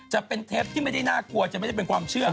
จะเป็นเทปที่ไม่ได้น่ากลัวจะไม่ได้เป็นความเชื่อ